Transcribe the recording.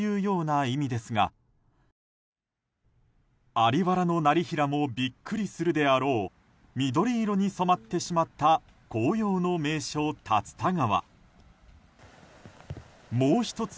在原業平もびっくりするであろう緑色に染まってしまった紅葉の名所、竜田川。